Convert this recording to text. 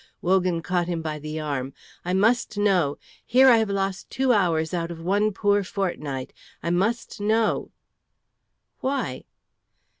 Wogan caught him by the arm. "I must know. Here have I lost two hours out of one poor fortnight. I must know." "Why?"